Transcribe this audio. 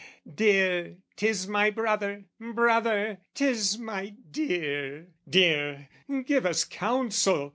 "'Dear, 'tis my brother: brother, 'tis my dear. "'Dear, give us counsel!